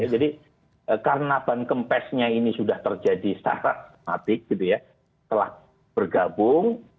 jadi karena ban kempesnya ini sudah terjadi secara sistematik telah bergabung